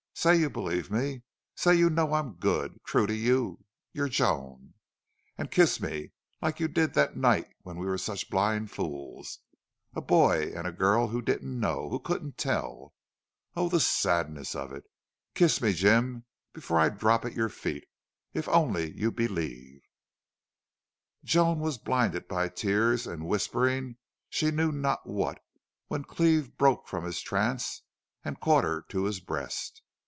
Say you believe me! Say you know I'm good true to you your Joan!... And kiss me like you did that night when we were such blind fools. A boy and a girl who didn't know and couldn't tell! Oh, the sadness of it!.... Kiss me, Jim, before I drop at your feet!... If only you believe " Joan was blinded by tears and whispering she knew not what when Cleve broke from his trance and caught her to his breast.